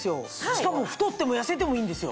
しかも太っても痩せてもいいんですよ。